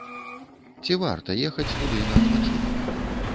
Ці варта ехаць туды на адпачынак?